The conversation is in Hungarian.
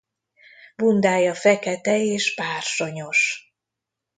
Bundája fekete és bársonyos.